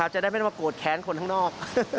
จะได้แม่งว่ากดแคะ้นคนทางนอก